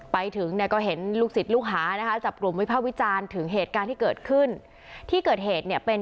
ไปถึงก็เห็นลูกศิษย์ลูกหาจับกลุ่มวิพาวิจารณ์ถึงเหตุการณ์ที่เกิดขึ้น